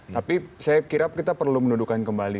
tapi saya kira kita perlu menuduhkan kembali